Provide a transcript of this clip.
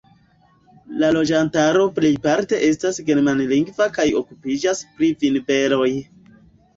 La loĝantaro plejparte estas germanlingva kaj okupiĝas pri vinberoj.